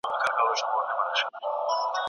که ښوونکی انلاین وضاحت زیات کړي، شک نه پاته کېږي.